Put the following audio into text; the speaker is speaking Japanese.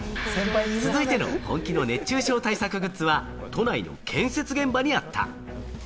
続いての本気の熱中症対策グッズは、都内建設現場にあった。